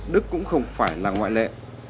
đức cũng không phải là ngoại lệ